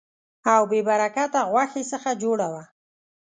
او بې برکته غوښې څخه جوړه وه.